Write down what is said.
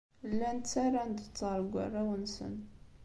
Llan ttarran-d ttaṛ deg warraw-nsen.